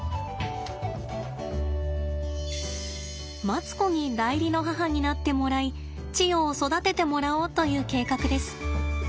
マツコに代理の母になってもらいチヨを育ててもらおうという計画です。